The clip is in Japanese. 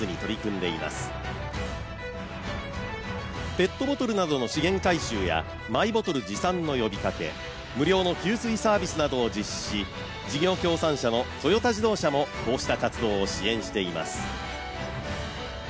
ペットボトルなどの資源回収やマイボトル持参の呼びかけ、無料の給水サービスなどを実施し事業協賛社のトヨタ自動車もこうした活動を支援しています。